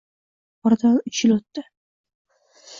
Oradan uch yil o`tdi